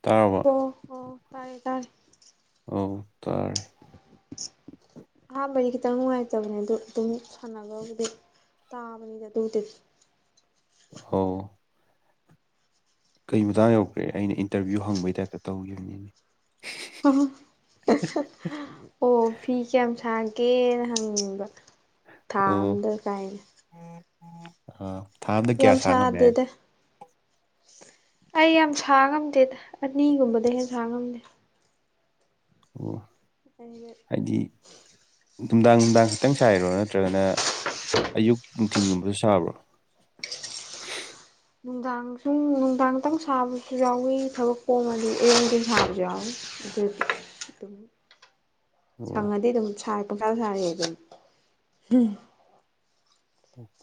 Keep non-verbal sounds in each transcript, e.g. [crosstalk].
ꯇꯥꯔꯕꯣ ꯑꯣ ꯑꯣ ꯇꯥꯏꯦ ꯇꯔ ꯑꯣ ꯇ [unintelligible] ꯑꯍꯥꯟꯕꯗꯤ ꯈꯤꯇꯪ ꯅꯨꯡꯉꯥꯏꯇꯕꯅꯦ ꯑꯗꯨ ꯑꯗꯨꯝ ꯁꯥꯟꯅꯕꯕꯨꯗꯤ ꯇꯥꯕꯅꯤꯗ ꯑꯗꯨꯕꯨꯗꯤ ꯑ ꯀꯩ ꯃꯇꯥꯡ ꯌꯧꯈ꯭ꯔꯦ ꯑꯩꯅ ꯏꯟꯇꯔꯚꯤꯌꯨ ꯍꯪꯕꯒꯤ ꯇꯥꯏꯞꯇ ꯇꯧꯈꯤꯕꯅꯤꯅꯦ ꯑꯣ ꯐꯤ ꯀꯌꯥꯝ ꯁꯥꯒꯦꯅ ꯍꯪꯅꯤꯡꯕ ꯊꯥ ꯑꯝꯗ ꯀꯥꯏ ꯑ ꯌꯥꯝ ꯁꯥꯗꯦꯗ ꯑꯩ ꯌꯥꯝ ꯁꯥ ꯉꯝꯗꯦꯗ ꯑꯅꯤꯒꯨꯝꯕꯗ ꯍꯦꯟꯅ ꯁꯥ ꯉꯝꯗꯦ ꯑꯣ ꯑꯩꯗꯤ ꯍꯥꯏꯗꯤ ꯅꯨꯡꯗꯥꯡ ꯅꯨꯡꯗꯥꯡ ꯈꯛꯇꯪ ꯁꯥꯏꯔꯣ ꯅꯠꯇ꯭ꯔꯒꯅ ꯑꯌꯨꯛ ꯅꯨꯡꯊꯤꯤꯟꯒꯨꯝꯕꯁꯨ ꯁꯥꯕ꯭ꯔꯣ ꯅꯨꯡꯗꯥꯡ ꯁꯨꯝ ꯅꯨꯡꯗꯥꯡꯇꯪ ꯁꯥꯕꯁꯨ ꯌꯥꯎꯋꯤ ꯊꯕꯛ ꯀꯣꯝꯉꯗꯤ ꯏꯔꯣꯡꯊꯦꯟ ꯁꯥꯕꯁꯨ ꯌꯥꯎꯋꯤ ꯑꯗꯨ ꯑꯗꯨ ꯑꯣ ꯁꯪꯉꯗꯤ ꯑꯗꯨꯝ ꯁꯥꯔꯦ ꯄꯪꯈꯥꯗ ꯁꯥꯔꯤ ꯑꯗꯨꯝ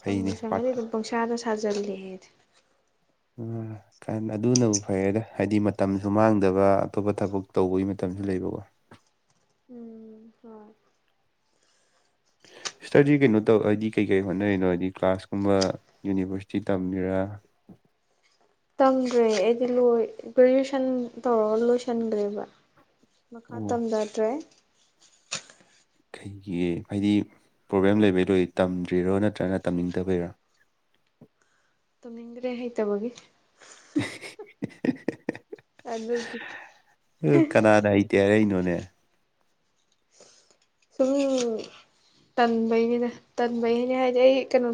ꯐꯩꯅꯦ ꯁꯪꯉꯗꯤ ꯄꯥꯔꯠ ꯑꯗꯨꯝ ꯄꯪꯁꯥꯗ ꯁꯥꯖꯤꯜꯂꯦꯗꯤ ꯎꯝ ꯀ ꯑꯗꯨꯅꯕꯨ ꯐꯩꯔꯦꯗ ꯍꯥꯏꯗꯤ ꯃꯇꯝꯁꯨ ꯃꯥꯡꯗꯕ ꯑꯇꯣꯞꯄ ꯊꯕꯛ ꯇꯧꯕꯒꯤ ꯃꯇꯝꯁꯨ ꯂꯩꯕꯀꯣ ꯎꯝ ꯍꯣꯏ ꯁ꯭ꯇꯗꯤ ꯀꯩꯅꯣ ꯇꯧ ꯍꯥꯏꯗꯤ ꯀꯩ ꯀꯩ ꯍꯣꯠꯅꯔꯤꯅꯣ ꯍꯥꯏꯗꯤ ꯀ꯭ꯂꯥꯁ ꯀꯨꯝꯕ ꯌꯨꯅꯤꯚꯔꯁꯤꯇꯤ ꯇꯝꯃꯤꯔꯥ ꯇꯝꯗ꯭ꯔꯦ ꯑꯩꯗꯤ ꯂꯣꯏ ꯒ꯭ꯔꯦꯖꯨꯦꯁꯟ ꯇꯧꯔꯒ ꯂꯣꯏꯁꯟꯈ꯭ꯔꯦꯕ ꯃꯈꯥ ꯑꯣ ꯇꯝꯊꯗ꯭ꯔꯦ ꯀꯩꯒꯤ ꯍꯥꯏꯗꯤ ꯄ꯭ꯔꯣꯕ꯭ꯂꯦꯝ ꯂꯩꯕꯩ ꯂꯣꯏ ꯇꯝꯗ꯭ꯔꯤꯔꯣ ꯅꯠꯇ꯭ꯔꯒꯅ ꯇꯝꯅꯤꯡꯗꯕꯩꯔꯣ ꯇꯝꯗ꯭ꯔꯦ ꯍꯥꯏꯣꯏ ꯇꯕꯣꯒꯤ ꯑꯗꯨꯒꯤ ꯎ ꯀꯅꯥꯗ ꯇꯦꯔꯩꯩꯅꯣꯅꯦ ꯁꯨꯝ ꯇꯟꯕꯩꯒꯤꯅꯦ ꯇꯟꯕꯩꯅꯦ ꯍꯥꯏꯗꯤ ꯑꯩ ꯀꯩꯅꯣ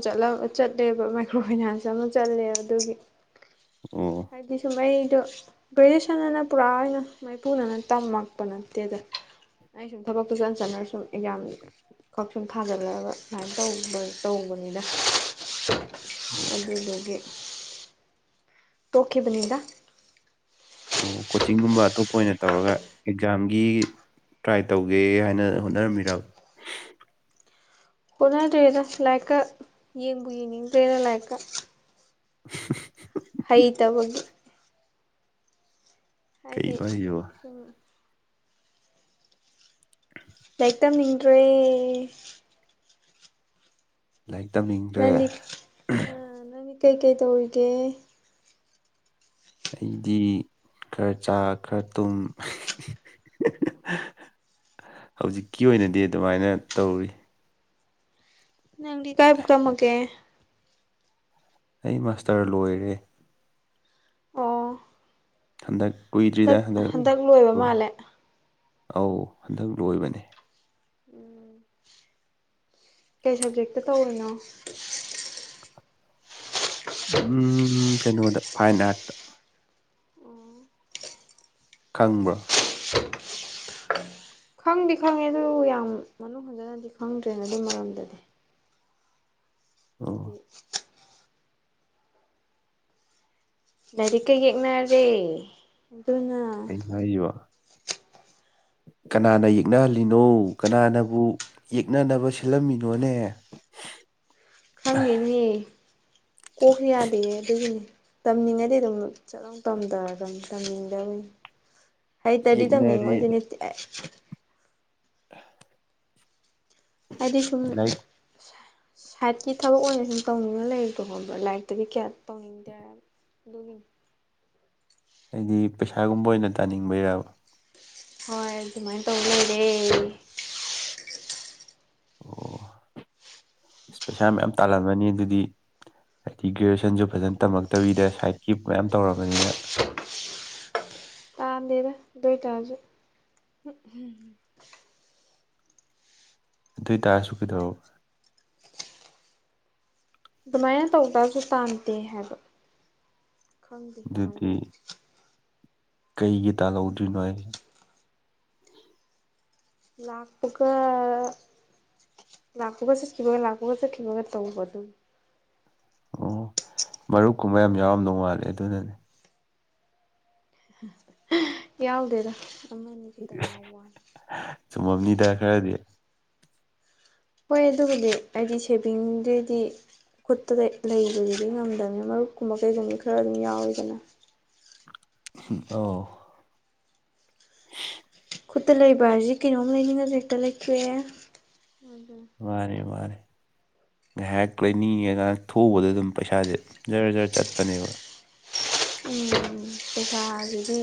ꯆꯠꯂꯦꯕ ꯃꯥꯏꯀ꯭ꯔꯣ ꯐꯥꯏꯅꯥꯟꯁ ꯑꯃ ꯆꯠꯂꯦ ꯑꯗꯨꯒꯤ ꯑꯣ ꯍꯥꯏꯗꯤ ꯁꯥꯏꯗꯣ ꯕ꯭ꯔꯤꯇꯤꯁꯅꯅ ꯄꯨꯔꯥ ꯑꯣꯏꯅ ꯃꯥꯏꯄꯨꯅꯅ ꯇꯝꯃꯛꯄ ꯅꯠꯇꯦꯗ ꯑꯩ ꯁꯨꯝ ꯊꯕꯛꯇꯨ ꯆꯟ ꯆꯠꯟꯅꯔ ꯁꯨꯝ ꯌꯥꯝ ꯌꯥꯝꯃꯤ ꯀꯥꯛ ꯁꯨꯝ ꯊꯥꯖꯤꯜꯂꯛꯑꯒ ꯁꯨꯃꯥꯏꯅ ꯇ ꯇꯧꯕꯅꯤꯅ ꯑꯣ ꯑꯗꯨꯗꯦꯒꯤ ꯇꯣꯛꯈꯤꯦꯕꯅꯤꯗ ꯑꯣ ꯀꯣꯆꯤꯡꯒꯨꯝꯕ ꯑꯇꯣꯞꯄ ꯑꯣꯏꯅ ꯇꯧꯔꯒ ꯑꯦꯛꯖꯥꯝꯒꯤ ꯇ꯭ꯔꯥꯏ ꯇꯧꯒꯦ ꯍꯥꯏꯅ ꯍꯣꯠꯅꯔꯝꯃꯤꯔꯕ ꯍꯣꯠꯅꯗ꯭ꯔꯦꯗ ꯂꯥꯏꯔꯤꯛꯀ ꯌꯦꯡꯕ ꯌꯦꯡꯅꯤꯡꯗ꯭ꯔꯦꯗ ꯂꯥꯏꯔꯤꯛꯀ [unintelligible] ꯍꯩꯇꯕꯒꯤ ꯍꯥꯏꯗꯤ ꯀꯩꯅꯣ ꯍꯥꯏꯁꯤꯕꯣ ꯁꯨꯝ ꯂꯔꯤꯛ ꯇꯝꯅꯤꯡꯗ꯭ꯔꯦ ꯂꯥꯏꯔꯤꯛ ꯇꯝꯅꯤꯡꯗ꯭ꯔꯦ ꯅꯅꯤ ꯑ ꯅꯅꯤ ꯀꯩ ꯀꯩ ꯇꯧꯒꯦ ꯑꯩꯗꯤ ꯈꯔ ꯆꯥ ꯈꯔ ꯊꯨꯝ ꯍꯧꯖꯤꯛꯀꯤ ꯑꯣꯏꯅꯗꯤ ꯑꯗꯨꯃꯥꯏꯅ ꯇꯧꯔꯤ ꯅꯪꯗꯤ ꯀꯥꯏ ꯄꯨ ꯀꯥꯃꯒꯦ ꯑꯩ ꯃꯥꯁꯇꯔ ꯂꯣꯏꯔꯦ ꯑꯣ ꯍꯟꯗꯛ ꯀꯨꯏꯗ꯭ꯔꯤꯗ ꯍꯟꯗꯛ ꯑꯧ ꯍꯟꯗꯛ ꯂꯣꯏꯕꯅꯦ ꯎꯝ ꯀꯩ ꯁꯕꯖꯦꯛꯇ ꯇꯧꯔꯤꯅꯣ ꯎꯝ ꯍꯝ ꯊꯩꯅꯗ ꯐꯥꯏꯟꯅꯥꯥꯔꯠ ꯈꯪꯕ꯭ꯔꯥ ꯈꯪꯗꯤ ꯈꯪꯉꯦ ꯑꯗꯨ ꯌꯥꯝ ꯃꯅꯨꯡ ꯍꯟꯖꯟꯅꯗꯤ ꯈꯪꯗ꯭ꯔꯦꯅ ꯑꯗꯨꯒꯤ ꯃꯔꯝꯗꯗꯤ ꯑꯣ ꯑꯗꯨꯗꯤ ꯂꯥꯏꯔꯤꯛꯀ ꯌꯦꯛꯅꯔꯦ ꯑꯗꯨꯅ ꯍꯥꯏꯣ ꯀꯅꯥꯅ ꯌꯦꯛꯅꯍꯜꯂꯤꯅꯣ ꯀꯅꯥꯅꯕꯨ ꯌꯦꯛꯅꯅꯕ ꯁꯤꯜꯂꯝꯃꯤꯅꯣꯅꯦ ꯈꯪꯉꯦꯅꯤꯌꯦ ꯀꯣꯛꯈ ꯌꯥꯗꯦꯌꯦ ꯑꯗꯨꯒꯤꯅꯦ ꯇꯝꯅꯤꯡꯉꯗꯤ ꯑꯗꯨꯝ ꯈꯤꯇꯪ ꯇꯝꯊꯔ ꯑꯗꯨ ꯇꯝꯅꯤꯡꯗꯕꯅꯤ ꯍꯩꯇꯔꯗꯤ ꯌꯦꯛꯅꯔꯦ ꯇꯝꯅꯤꯡꯉꯣꯏꯗꯣꯏ ꯅ ꯍꯥꯏꯗꯤ ꯁꯨꯝ ꯂꯥꯏꯔꯤꯛ ꯁꯥꯏꯠꯀꯤ ꯊꯕꯛ ꯑꯣꯏꯅ ꯁꯨꯝ ꯇꯧꯅꯤꯡꯉ ꯂꯩꯕ꯭ꯔꯣ ꯈꯣꯕ꯭ꯔꯥ ꯂꯥꯏꯔꯤꯛꯇꯗꯤ ꯀꯌꯥ ꯇꯧꯅꯤꯡꯗꯦ ꯑꯗꯨꯒꯤ ꯑꯩꯗꯤ ꯄꯩꯁꯥꯒꯨꯝꯕ ꯑꯣꯏꯅ ꯇꯥꯅꯤꯡꯕꯔꯕ ꯍꯣꯏ ꯑꯗꯨꯃꯥꯏꯅ ꯇꯧꯅꯔꯦ ꯑꯣ [unintelligible] ꯄꯩꯁꯥ ꯃꯌꯥꯝ ꯇꯥꯜꯍꯟꯕꯅꯤ ꯑꯗꯨꯗꯤ ꯍꯥꯏꯗꯤ ꯒ꯭ꯔꯦꯖꯨꯋꯦꯁꯟꯁꯨ ꯐꯖꯅ ꯇꯝꯃꯛꯇꯕꯤꯗ ꯁꯥꯏꯠꯀꯤ ꯃꯌꯥꯝ ꯇꯧꯔꯕꯅꯤꯅ ꯗꯔꯏꯇꯥ ꯍꯧꯖꯤ ꯑꯗꯨ ꯇꯥꯁꯨ ꯀꯩꯗꯑꯣ ꯑꯗꯨꯃꯥꯏꯅ ꯇꯧ ꯇꯁꯨ ꯇꯥꯟꯗꯦ ꯍꯥꯏꯕ ꯈꯪꯗꯦ ꯑꯗꯨꯗꯤ ꯀꯃꯥꯏꯅꯧ ꯀꯩꯒꯤ ꯇꯥꯍꯧꯗꯣꯏꯔꯤꯅꯣ ꯍꯥꯏꯁꯤꯅꯦ ꯂꯥꯛꯄꯒ ꯂꯥꯛꯀꯨꯒꯁꯦ ꯀꯤꯒꯦ ꯂꯥꯛꯀꯨꯒꯁꯦ ꯀꯤ ꯀꯦ ꯇꯣꯡꯕ ꯑꯗꯨꯝ ꯑꯣ ꯃꯔꯨꯞꯀꯨꯝꯕ ꯌꯥꯝ ꯌꯥꯎꯔꯝꯗꯧ ꯃꯥꯠꯂꯦ ꯑꯗꯨꯅꯅꯦ ꯌꯥꯎꯗꯦꯗ ꯑꯃꯅꯤꯅ ꯈꯤꯇꯪ ꯌꯥꯝ ꯋꯥꯅꯤ ꯆꯨꯝꯃꯝꯅꯤꯗ ꯈꯔꯗꯤ ꯍꯣꯏ ꯑꯗꯨꯕꯨꯗꯤ ꯑꯩꯗꯤ ꯁꯦꯚꯤꯡꯗꯗꯤ ꯈꯨꯠꯇꯗ ꯂꯩꯕꯗꯨꯗꯤ ꯉꯝꯗꯕꯅꯤ ꯃꯔꯨꯞ ꯀꯨꯝꯕ ꯀꯩꯒꯨꯝꯅꯤ ꯈꯔ ꯑꯗꯨꯝ ꯌꯥꯎꯋꯤꯗꯅ ꯑꯧ ꯈꯨꯠꯇ ꯂꯩꯕ ꯍꯥꯏꯁꯤ ꯀꯩꯅꯣꯝ ꯂꯩꯅꯤꯡꯉꯁꯨ ꯍꯦꯛꯇ ꯂꯩꯈꯦ ꯃꯥꯅꯦ ꯃꯥꯅꯦ ꯉꯥꯏꯍꯥꯛ ꯀꯣꯏꯅꯤꯡꯉꯒꯥꯏꯅ ꯊꯣꯛꯎꯕꯗ ꯑꯗꯨꯝ ꯄꯩꯁꯥꯁꯦ ꯖꯔ ꯖꯔ ꯆꯠꯄꯅꯦꯕ ꯎꯝ ꯄꯩꯁꯥꯁꯤꯗꯤ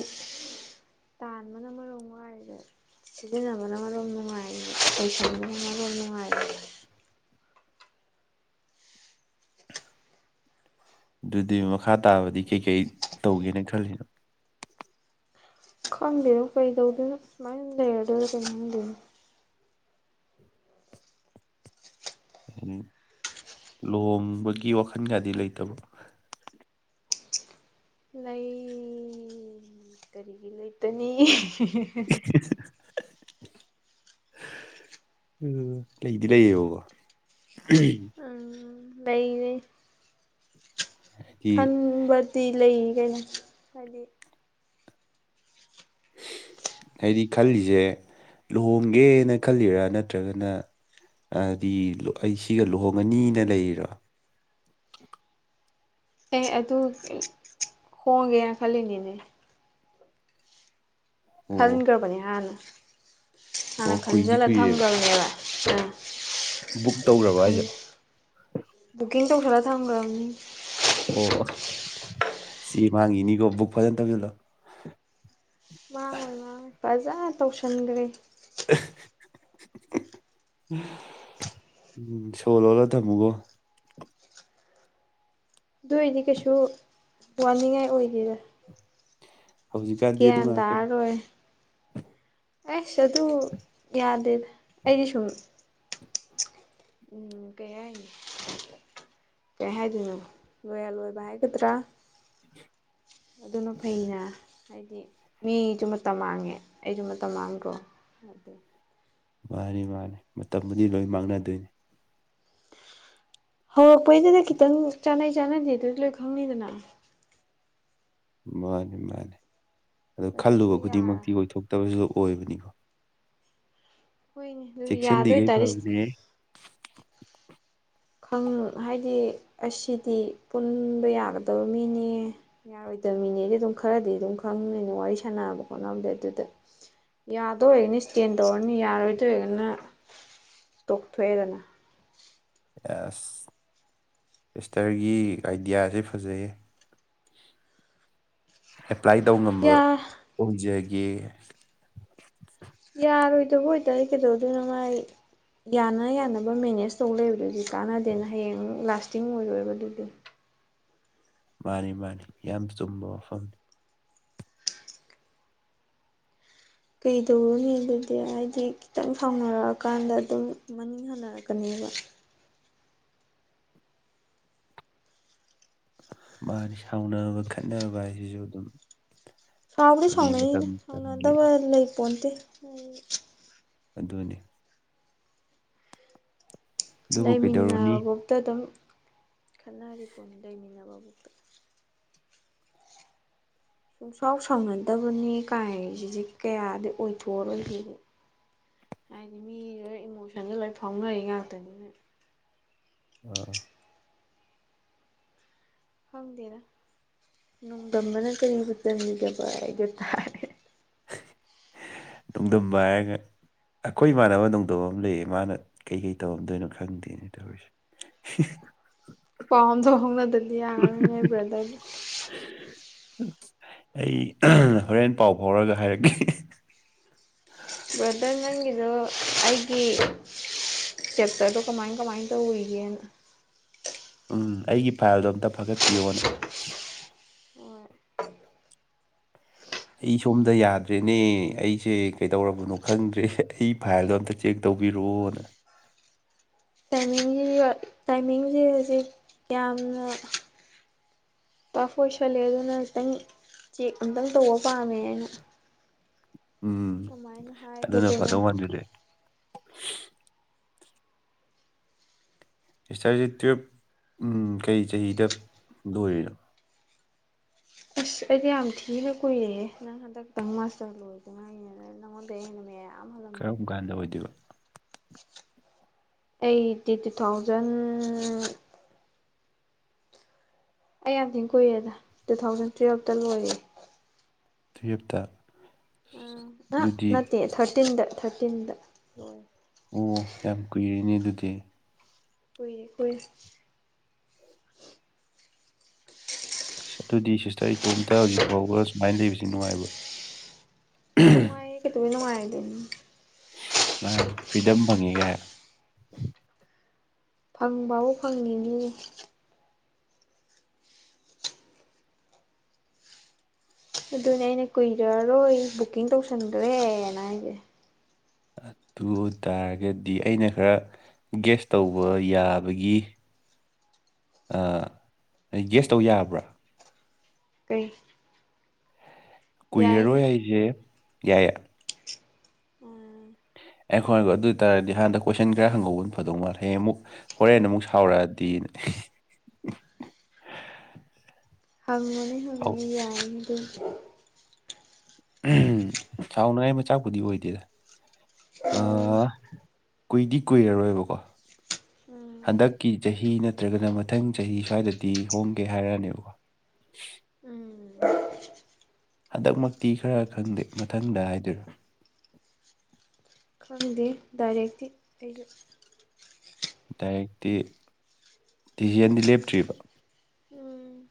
ꯇꯥꯟꯕꯅ ꯃꯔꯣ ꯋꯥꯏꯗ ꯁꯤꯖꯤꯟꯅꯕꯅꯃ ꯔꯣꯝ ꯅꯨꯡꯉꯥꯏ ꯄꯩꯁꯥꯅꯅꯃ ꯔꯣꯝ ꯅꯨꯡꯉꯥꯏ ꯑꯗꯨꯗꯤ ꯃꯈꯥ ꯇꯥꯕꯗꯤ ꯀꯩꯀꯩ ꯇꯧꯒꯦꯅ ꯈꯜꯂꯤꯅꯣ ꯈꯝꯗꯦꯅꯣ ꯀꯩꯗꯧꯗꯅ ꯃꯥꯏ ꯂꯩꯔ ꯑꯗꯨ ꯑꯗꯨ ꯀꯅꯗꯦꯣ ꯂꯨꯍꯣꯡꯕꯒꯤ ꯋꯥꯈꯜ ꯀꯌꯥꯗꯤ ꯂꯩꯇꯕ꯭ꯔꯣ ꯂꯩ ꯀꯔꯤꯒꯤ ꯂꯩꯇꯅꯤ [unintelligible] [unintelligible] ꯎꯝ ꯂꯩꯗꯤ ꯂꯩꯌꯦꯕꯕ ꯎꯝ ꯂꯩꯩꯅꯦ ꯍꯥꯏꯗꯤ ꯈꯟꯕꯗꯤ ꯂꯩ ꯀꯩꯅꯣ ꯍꯥꯏꯗꯤ ꯍꯥꯏꯗꯤ ꯈꯜꯂꯤꯁꯦ ꯂꯨꯍꯣꯡꯒꯦꯅ ꯈꯜꯂꯤꯔꯥ ꯅꯠꯇ꯭ꯔꯒꯅ ꯍꯥꯏꯗꯤ ꯑꯩ ꯁꯤꯒ ꯂꯨꯍꯣꯡꯉꯅꯤꯅ ꯂꯩꯔꯤꯔꯣ ꯑꯦ ꯑꯗꯨ ꯍꯣꯡꯒꯦꯅ ꯈꯜꯂꯤꯅꯦꯅꯦ ꯑꯣ ꯈꯟꯈ꯭ꯔꯕꯅꯦ ꯍꯥꯟꯅ ꯍꯥꯟꯅ ꯑꯣ ꯀꯨꯏꯗꯤ ꯈꯟꯖꯤꯜꯂ ꯀꯨꯏꯔꯦꯕ ꯊꯝꯈ꯭ꯔꯕꯅꯦꯕ ꯎꯝ ꯕꯨꯛ ꯇꯧꯈ꯭ꯔꯕ ꯍꯥꯏꯁꯦ ꯕꯨꯀꯤꯡ ꯇꯧ ꯈꯔꯥ ꯊꯥꯡꯕ꯭ꯔꯥꯕꯅꯤ ꯑꯣ ꯁꯤ ꯃꯥꯡꯉꯤꯅꯤꯀꯣ ꯕꯨꯛ ꯐꯖꯅ ꯊꯧꯁꯤꯜꯂꯣ ꯃꯥꯡꯉꯣꯏꯅꯥꯡ ꯐꯖꯅ ꯇꯧꯁꯟꯈ꯭ꯔꯦ ꯎꯝ ꯁꯣꯜꯂꯣꯒ ꯊꯝꯃꯨꯒꯣ ꯑꯗꯨ ꯑꯣꯏꯗꯤ ꯀꯩꯁꯨ ꯋꯥꯅꯤꯡꯉꯥꯏ ꯑꯣꯏꯗꯦꯔ ꯍꯧꯖꯤꯛꯀꯥꯟꯗꯤ ꯑꯗꯨ ꯟ ꯉꯥꯛꯇꯅꯤ ꯇꯔꯣꯏ ꯑꯁ ꯑꯗꯨ ꯌꯥꯗꯦ ꯑꯩꯗꯤ ꯁꯨꯝ ꯎꯝ ꯀꯌꯥꯏ ꯀꯩ ꯍꯥꯏꯗꯣꯏꯅꯣ ꯂꯣꯏꯔ ꯂꯣꯏꯕ ꯍꯥꯏꯒꯗ꯭ꯔꯥ ꯑꯗꯨꯅ ꯐꯩꯅ ꯍꯥꯏꯗꯤ ꯃꯤꯁꯨ ꯃꯇꯝ ꯃꯥꯡꯉꯦ ꯑꯩꯁꯨ ꯃꯇꯝ ꯃꯥꯡꯈ꯭ꯔꯣ ꯑꯗꯨ ꯃꯥꯅꯤ ꯃꯥꯅꯤ ꯃꯇꯝꯗꯨꯗꯤ ꯂꯣꯏ ꯃꯥꯡꯅꯗꯣꯏꯅꯤ ꯍꯧꯔꯛꯄꯩꯗꯨꯅ ꯈꯤꯇꯪ ꯆꯥꯟꯅꯩ ꯆꯥꯟꯅꯗꯦ ꯑꯗꯨꯁꯨ ꯂꯣꯏ ꯈꯪꯅꯤꯗꯅ ꯃꯥꯅꯤ ꯃꯥꯅꯤ ꯑꯗꯣ ꯑꯗꯨꯗ ꯈꯜꯂꯨꯕ ꯌꯥꯔ ꯈꯨꯗꯤꯡꯃꯛꯇꯤ ꯑꯣꯏꯊꯣꯛꯇꯕꯁꯨ ꯑꯣꯏꯕꯅꯤꯀꯣ ꯍꯣꯏꯅꯦ ꯑꯗꯨ ꯌꯥꯗꯣꯏ ꯆꯦꯛꯁꯤꯜꯂꯤꯈꯩ ꯇꯥꯔꯦ ꯐꯕꯅꯦ ꯈꯪ ꯍꯥꯏꯗꯤ ꯑꯁꯤꯗꯤ ꯄꯨꯟꯕ ꯌꯥꯒꯗꯕ ꯃꯤꯅꯤ ꯌꯥꯔꯣꯏꯗꯕꯃꯤꯅꯦꯗꯤ ꯑꯗꯨꯝ ꯈꯔꯗꯤ ꯑꯗꯨꯝ ꯈꯪꯉꯦꯅꯦ ꯋꯥꯔꯤ ꯁꯥꯟꯅꯕ ꯈꯣꯠꯅꯕꯗ ꯑꯗꯨꯗ ꯌꯥꯗꯣꯏ ꯑꯣꯏꯔꯒꯅꯤ ꯏꯁꯇꯦꯟ ꯇꯧꯔꯅꯤ ꯌꯥꯔꯣꯏꯗꯣꯏ ꯑꯣꯏꯔꯒꯅ ꯇꯣꯛꯊꯣꯛꯑꯦꯗꯅ ꯌꯦꯁ ꯁꯤꯁꯇꯔꯒꯤ ꯑꯥꯏꯗꯤꯌꯥꯁꯦ ꯐꯖꯩꯌꯦ ꯑꯦꯄ꯭ꯂꯥꯏ ꯇꯧꯕ ꯉꯝꯕ ꯌꯥ ꯑꯣꯏꯖꯒꯦ ꯌꯥꯔꯣꯏꯗꯕ ꯑꯣꯏꯇꯥꯔꯗꯤ ꯀꯩꯗꯧꯗꯣꯏꯅ ꯃꯥꯏ ꯌꯥꯅ ꯌꯥꯅꯕ ꯃꯦꯅꯦꯖ ꯇꯧ ꯂꯩꯕꯗꯨꯗꯤ ꯀꯥꯟꯅꯗꯦꯅ ꯍꯌꯦꯡ ꯑꯃꯨꯛ ꯂꯥꯁꯇꯤꯡ ꯑꯣꯏꯔꯣꯏꯕ ꯑꯗꯨꯗꯤ ꯃꯥꯅꯤ ꯃꯥꯅꯤ ꯌꯥꯝ ꯆꯨꯝꯕ ꯋꯥꯐꯝꯅꯤ ꯀꯩꯗꯧꯔꯨꯅꯤ ꯑꯗꯨꯗꯤ ꯍꯥꯏꯗꯤ ꯈꯤꯇꯪ ꯁꯥꯎꯅꯔꯛꯑꯀꯥꯟꯗ ꯑꯗꯨꯝ ꯃꯅꯤꯡ ꯍꯟꯅꯔꯛꯀꯅꯦꯕ ꯃꯥꯅ ꯁꯥꯎꯅꯕ ꯈꯠꯅꯕ ꯍꯥꯏꯁꯤꯁꯨ ꯑꯗꯨꯝ ꯁꯥꯎꯗꯤ ꯍꯥꯏꯗꯤ ꯃꯇꯝ ꯁꯥꯎꯅꯩꯅꯤꯗ ꯃꯇꯝꯒꯤ ꯁꯥꯎꯅꯗꯕ ꯂꯩꯄꯣꯟꯇꯦ ꯑꯗꯨꯅꯤ ꯑꯗꯨꯕꯨ ꯀꯩꯗꯧꯔꯨꯅꯤ ꯂꯩꯃꯤꯟꯅꯕꯕꯧꯇ ꯑꯗꯨꯝ ꯈꯠꯅꯔꯤ ꯄꯣꯠꯅꯤ ꯂꯩꯃꯤꯟꯅꯕꯧ ꯁꯨꯡꯁꯥꯎ ꯁꯥꯎꯅꯗꯕꯅꯤ ꯀꯥꯏꯁꯤꯗꯤ ꯀꯌꯥꯗꯤ ꯑꯣꯏꯊꯣꯛꯑꯔꯣꯏꯗꯤ ꯍꯥꯏꯗꯤ ꯃꯤ ꯂꯣꯏ ꯏꯃꯣꯁꯟꯗꯥ ꯂꯣꯏ ꯐꯥꯎꯅꯔꯤ ꯉꯥꯛꯇꯅꯤꯅ ꯑꯥ ꯈꯪꯗꯦꯗꯥ ꯅꯨꯡꯗꯝꯝꯕꯅ ꯀꯔꯤꯕꯨ ꯇꯥꯃꯤꯒꯕ ꯍꯥꯏꯗꯨ ꯇꯥꯏ [inaudible] ꯅꯣꯡꯗꯝꯕ ꯍꯥꯏꯔꯒ ꯑꯩꯈꯣꯏ ꯏꯃꯥꯟꯅꯕ ꯅꯣꯡꯗꯝꯕ ꯑꯃ ꯂꯩꯌꯦ ꯃꯥꯅ ꯀꯩ ꯀꯩ ꯇꯧꯔꯝꯗꯣꯏꯅꯣ ꯈꯪꯗꯦꯅꯦ ꯇꯧꯔꯤꯁꯦ [unintelligible] ꯄꯥꯎ ꯑꯝꯇ ꯐꯥꯎꯅꯗꯗꯤ ꯌꯥꯔꯔꯣꯏ ꯅꯣꯏ ꯕ꯭ꯔꯗꯔꯗꯤ ꯑꯩ ꯍꯣꯔꯦꯟ ꯄꯥꯎ ꯐꯥꯎꯔꯒ ꯍꯥꯏꯔꯛꯀꯦ ꯕ꯭ꯔꯗꯔ ꯅꯪꯒꯤꯗꯣ ꯑꯩꯒꯤ ꯆꯞꯇꯔ ꯗꯣꯀꯃꯥꯏ ꯀꯃꯥꯏ ꯇꯧꯔꯤꯒꯦꯅ ꯎꯝ ꯑꯩꯒꯤ ꯐꯥꯏꯜꯗꯣ ꯑꯝꯇ ꯐꯒꯠꯄꯤꯌꯣꯅ [unintelligible] ꯍꯣꯏ ꯑꯩ ꯁꯣꯝꯗ ꯌꯥꯗ꯭ꯔꯦꯅꯦ ꯑꯩꯁꯦ ꯀꯩꯗꯧꯔꯕꯅꯣ ꯈꯪꯗ꯭ꯔꯦ ꯑꯩ ꯐꯥꯏꯜꯗꯣ ꯑꯝꯇ ꯆꯦꯛ ꯇꯧꯕꯤꯔꯛꯑꯣꯅ ꯇꯥꯏꯃꯤꯡꯁꯤ ꯇꯥꯏꯃꯤꯡꯁ ꯍꯧꯖꯤꯛ ꯌꯥꯝꯅ ꯇꯐ ꯑꯣꯏꯁꯤꯟꯂꯛ ꯑꯦꯗꯥꯅꯥ ꯈꯤꯇꯪ ꯆꯦꯛ ꯑꯃꯇꯪ ꯇꯧꯕ ꯄꯥꯝꯃꯦ ꯌꯥꯅ ꯎꯝ ꯑꯗꯨꯃꯥꯏꯅ ꯍꯥꯏꯕꯔꯥ ꯀꯩꯅꯣ ꯎ [unintelligible] ꯁꯤꯁꯇꯔꯁꯦ ꯇꯨꯌꯦꯞ ꯀꯩ ꯆꯍꯤꯗ ꯂꯣꯏꯔꯤꯅꯣ ꯑꯁ ꯑꯩꯗꯤ ꯌꯥꯝ ꯊꯤꯅ ꯀꯨꯏꯔꯦ ꯅꯪ ꯍꯟꯗꯛꯇꯪ ꯃꯥꯁꯇꯔ ꯂꯣꯏꯗ ꯉꯥꯏꯔꯤ [unintelligible] ꯅꯉꯣꯟꯗꯩꯩ ꯑꯩꯅꯥ ꯃꯌꯥꯝ ꯍꯜꯂꯝꯒꯅꯤ ꯀꯔꯝ ꯀꯥꯟꯗ ꯑꯣꯏꯗꯣꯏꯕ ꯑꯩꯠꯇꯤ ꯇꯨ ꯊꯥꯎꯖꯟ ꯑꯩ ꯌꯥꯝ ꯊꯤꯟ ꯀꯨꯏꯔꯦꯗ ꯇꯨ ꯊꯥꯎꯖꯟ ꯇꯨꯋꯜꯕ ꯇ ꯂꯣꯏꯔꯦ ꯇꯨꯌꯦꯞꯇꯥ ꯑ ꯅꯠꯇꯦ ꯊꯔꯇꯤꯟꯗ ꯊꯔꯇꯤꯟꯗ ꯑꯣ ꯌꯥꯝ ꯀꯨꯏꯔꯤꯅꯦ ꯑꯗꯨꯗꯤ ꯀꯨꯏꯔꯦ ꯀꯨꯏꯔꯦ ꯑꯗꯨꯗꯤ ꯁꯤꯁꯇꯔ ꯏꯇꯣꯝꯇ ꯍꯧꯖꯤꯛ ꯐꯥꯎꯕ ꯁꯨꯃꯥꯏꯅ ꯂꯩꯕꯁꯤ ꯅꯨꯡꯉꯥꯏꯕ꯭ꯔꯣ ꯅꯨꯡꯉꯥꯏ ꯀꯩꯗꯧꯕꯩ ꯅꯨꯡꯉꯥꯏꯔꯣꯏꯗ꯭ꯔꯤꯅꯣ ꯃꯅꯦ ꯐ꯭ꯔꯤꯗꯝ ꯐꯪꯉꯦ ꯒꯥꯏꯌꯣ ꯐꯪꯕꯕꯨ ꯐꯪꯉꯤꯅꯤ ꯑꯗꯨꯅꯦ ꯑꯩꯅ ꯀꯨꯏꯔꯔꯣꯏ ꯕꯨꯛꯀꯤꯡ ꯇꯧꯁꯟꯒ꯭ꯔꯦꯅ ꯍꯥꯏꯁꯦ ꯑꯗꯨ ꯇꯔꯒꯗꯤ ꯑꯩꯅ ꯈꯔ ꯒꯦꯁ ꯇꯧꯕ ꯌꯥꯕꯒꯤ ꯑ ꯒꯦꯁ ꯇꯧ ꯌꯥꯕ꯭ꯔꯥ ꯀꯩ ꯌꯥꯏꯅꯦ ꯀꯨꯏꯔꯔꯣꯏ ꯍꯥꯏꯁꯦ ꯌꯥꯏꯌꯦ ꯎꯝ ꯑꯩꯈꯣꯏꯔꯒ ꯑꯗꯨ ꯑꯣꯏꯇꯥꯔꯗꯤ ꯍꯥꯟꯅ ꯀꯣꯏꯁꯟ ꯈꯔ ꯍꯪꯒꯧꯕ ꯐꯗꯧ ꯃꯥꯜꯂꯦꯌꯦ ꯑꯃꯨꯛ ꯍꯣꯔꯦꯟ ꯑꯃꯨꯛ ꯁꯥꯎꯔꯛꯑꯗꯤ ꯍꯪꯉꯅꯤ ꯁꯥꯎ- ꯍꯪꯉꯅꯤ ꯌꯥꯏꯅ ꯑꯗꯨꯝ ꯁꯥꯎꯅꯉꯥꯏ ꯃꯆꯥꯛꯄꯨꯗꯤ ꯑꯣꯏꯗꯦꯗ ꯎꯝ ꯑꯥ ꯀꯨꯏꯗꯤ ꯀꯨꯏꯔꯔꯣꯏꯕꯀꯣ ꯎꯝ ꯍꯟꯗꯛꯀꯤ ꯆꯍꯤ ꯅ ꯅꯠꯇ꯭ꯔꯒꯅ ꯃꯊꯪ ꯆꯍꯤ ꯁ꯭ꯋꯥꯏꯗꯗꯤ ꯍꯣꯡꯒꯦ ꯍꯥꯏꯔꯛꯅꯦꯕꯀꯣ ꯎꯝ ꯍꯟꯗꯛꯃꯛꯇꯤ ꯈꯔ ꯈꯪꯗꯦ ꯃꯊꯪꯗ ꯍꯥꯏꯗꯣꯏꯔꯣ ꯈꯪꯗꯦ ꯗꯥꯏꯔꯦꯛꯇꯤ ꯑꯩꯁꯨ ꯗꯥꯏꯔꯦꯛꯇꯤ ꯗꯤꯖꯤꯟꯗꯤ ꯂꯦꯞꯇ꯭ꯔꯤꯕ ꯎꯝ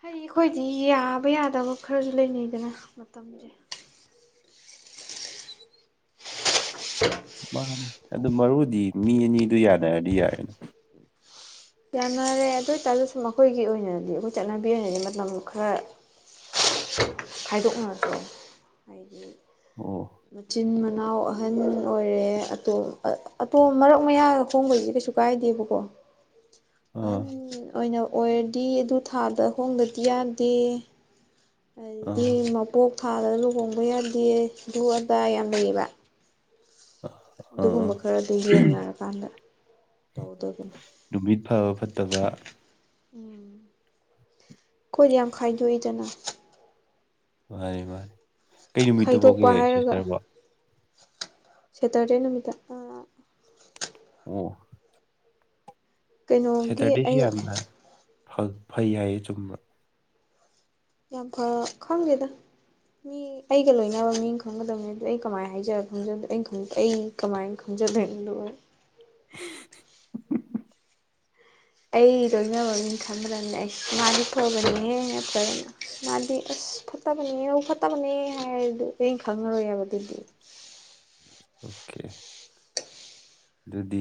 ꯍ ꯑꯩꯈꯣꯏꯗꯤ ꯌꯥꯕ ꯌꯥꯗꯕ ꯈꯔꯁꯨ ꯂꯩꯅꯩꯗꯅ ꯃꯇꯝꯁꯦ ꯃꯥꯅꯦ ꯑꯗꯨ ꯃꯔꯨꯗꯤ ꯃꯤ ꯑꯅꯤꯗꯨ ꯌꯥꯅꯔꯗꯤ ꯌꯥꯔꯦꯅ ꯌꯥꯝ ꯔꯦ ꯑꯗꯨ ꯑꯣꯏꯇꯥꯔꯁꯨ ꯁꯨꯝ ꯃꯈꯣꯏꯒꯤ ꯑꯣꯏꯅꯗꯤ ꯑꯩꯈꯣꯏ ꯆꯠꯅꯕꯤ ꯑꯣꯏꯅꯗꯤ ꯃꯇꯝ ꯈꯔ ꯈꯥꯏꯗꯣꯛꯅꯗ꯭ꯔꯣ ꯍꯥꯏꯗꯤ ꯑꯣ ꯃꯆꯤꯟ ꯃꯅꯥꯎ ꯑꯍꯟ ꯑꯣꯏꯔꯦ ꯑꯇꯣꯝ ꯑꯇꯣꯝ ꯃꯔꯛ ꯃꯌꯥ ꯍꯣꯡꯕꯒꯤ ꯀꯩꯁꯨ ꯂꯨꯒꯥꯏꯗꯕꯀꯣ ꯑꯥ ꯑꯍꯟ ꯑꯣꯏꯅ ꯑꯣꯏꯔꯗꯤ ꯑꯗꯨ ꯊꯥꯗ ꯑ ꯍꯣꯡꯗꯗꯤ ꯌꯥꯗꯦ ꯑꯥ ꯑꯗꯒꯤ ꯃꯄꯣꯛ ꯊꯥꯗꯒ ꯂꯨꯍꯣꯡꯕ ꯌꯥꯗꯦ ꯑꯗꯨ ꯑꯗꯥ ꯌꯥꯝ ꯂꯩꯩꯌꯦꯕ ꯑꯥ ꯑꯥ ꯑꯗꯨꯒꯨꯝꯕ ꯈꯔꯗꯨ ꯌꯦꯡꯅꯔꯀꯥꯟꯗ ꯇꯧꯗꯕꯅꯤ ꯅꯨꯃꯤꯠ ꯐꯕ ꯐꯠꯇꯕ ꯎꯝ ꯑꯩꯈꯣꯏꯗꯤ ꯌꯥꯝ ꯈꯥꯏꯗꯣꯛꯏꯗꯅ ꯃꯥꯅꯤ ꯃꯥꯅꯤ ꯀꯩ ꯈꯥꯏꯗꯣꯛꯄ ꯅꯨꯃꯤꯠꯇꯐꯧꯒꯦ ꯁꯤꯁꯇꯔꯐꯣ ꯁꯇꯔꯦ ꯅꯨꯃꯤꯠꯇ ꯑꯣ ꯀꯩꯅꯣꯒꯤ ꯁꯦꯇꯔꯗꯦꯁꯤ ꯑꯩ ꯌꯥꯝꯅ ꯐꯩ ꯍꯥꯏꯌꯦ ꯆꯨꯝꯕ ꯌꯥꯝ ꯐ ꯈꯪꯒꯦꯗ ꯃꯤ ꯑꯩꯒ ꯂꯣꯏꯅꯕ ꯃꯤ ꯈꯪꯒꯗꯕꯅꯤ ꯑꯗꯨ ꯑꯩ ꯀꯃꯥꯏꯅ ꯍꯥꯏꯖ ꯈꯪꯖꯕꯗꯣ ꯑꯩ ꯑꯩ ꯀꯃꯥꯏ ꯈꯖꯂꯗ [unintelligible] ꯑꯩ ꯂꯣꯏꯅꯕꯒꯤꯅꯤ ꯈꯟꯗ꯭ꯔꯕꯅꯦ ꯑꯩ ꯃꯥꯗꯤ ꯐꯒꯅꯤꯅꯦ ꯐꯗꯅ ꯃꯥꯗꯤ ꯑꯁ ꯐꯠꯇꯕꯅꯦ ꯑꯣꯧ ꯐꯠꯇꯕꯅꯦ ꯍꯥꯏꯔꯗꯨ ꯑꯩꯅ ꯈꯪꯉꯔꯣꯏꯑꯕ ꯑꯗꯨꯗꯤ ꯑꯣꯀꯦ ꯑꯗꯨꯗꯤ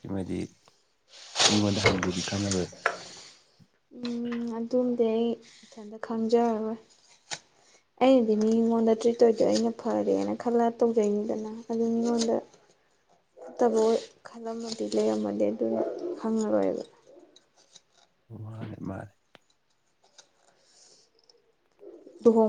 ꯁꯃꯗꯤ ꯃꯤꯉꯣꯟꯗ ꯍꯪꯒꯦꯗꯤ ꯈꯪꯉꯔꯣꯏ ꯎꯝ ꯑꯗꯨꯝꯗꯤ ꯑꯩ ꯏꯊꯟꯇ ꯈꯪꯖꯔꯔꯣꯏ ꯑꯩꯅꯗꯤ ꯃꯤ ꯃꯤꯉꯣꯟꯗ ꯇ꯭ꯔꯤꯠ ꯑꯣꯏꯗꯣ ꯑꯩꯅ ꯐꯔꯦꯅ ꯈꯜꯂ ꯇꯧꯖꯩꯅꯤꯗꯅ ꯑꯗꯨ ꯃꯤꯉꯣꯟꯗ ꯐꯠꯇꯕ ꯈꯜꯂꯝꯃꯗꯤ ꯂꯩꯔꯝꯃꯗꯤ ꯑꯗꯨꯅ ꯈꯪꯉꯔꯣꯏꯕ ꯃꯥꯅꯦ ꯃꯥꯅꯦ ꯍꯣ